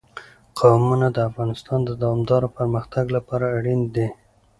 قومونه د افغانستان د دوامداره پرمختګ لپاره اړین دي.